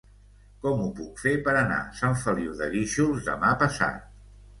Com ho puc fer per anar a Sant Feliu de Guíxols demà passat?